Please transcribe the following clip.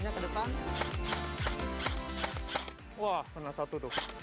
depan wah pernah satu